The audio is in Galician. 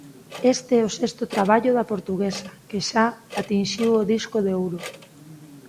Este é o sexto traballo da portuguesa, que xa atinxiu o disco de ouro.